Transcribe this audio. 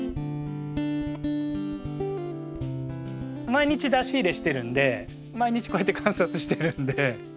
毎日出し入れしてるんで毎日こうやって観察してるんで。